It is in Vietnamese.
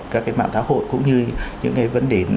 các cái mạng xã hội cũng như những cái vấn đề